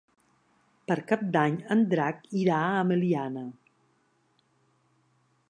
Per Cap d'Any en Drac irà a Meliana.